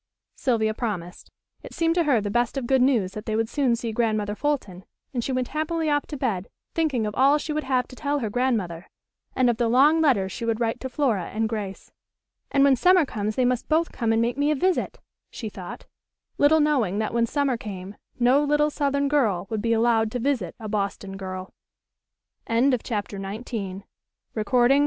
Sylvia promised. It seemed to her the best of good news that they would soon see Grandmother Fulton, and she went happily off to bed thinking of all she would have to tell her grandmother, and of the long letters she would write to Flora and Grace. "And when summer comes they must both come and make me a visit," she thought, little knowing that when summer came no little southern girl would be allowed to visit a Boston girl. CHAPTER XX "TWO LITTLE DARKY GIRLS" "When will Mr. Lincoln be President?"